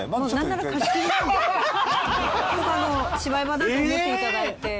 なんでここ芝居場だと思っていただいてえ？